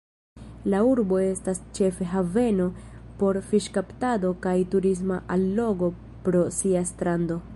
La urbo estas ĉefe haveno por fiŝkaptado kaj turisma allogo pro sia strando.